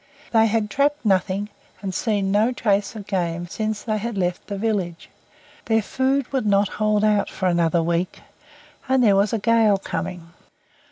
They had trapped nothing, and seen no trace of game since they had left the village; their food would not hold out for another week, and there was a gale coming.